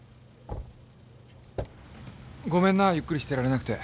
ごめんなゆっくりしてられなくて。